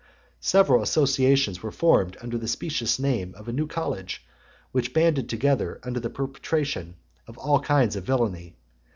Several associations were formed under the specious (97) name of a new college, which banded together for the perpetration of all kinds of villany.